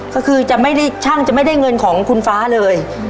ก็คือจะไม่ได้ช่างจะไม่ได้เงินของคุณฟ้าเลย